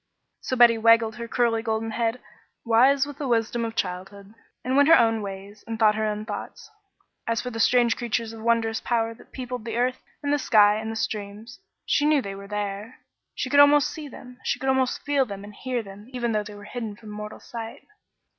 So Betty wagged her curly golden head, wise with the wisdom of childhood, and went her own ways and thought her own thoughts. As for the strange creatures of wondrous power that peopled the earth, and the sky, and the streams, she knew they were there. She could almost see them, could almost feel them and hear them, even though they were hidden from mortal sight.